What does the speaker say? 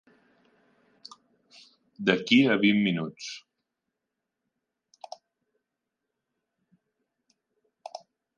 D'aquí a vint minuts.